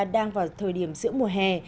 đang vào thời điểm giữa mùa hè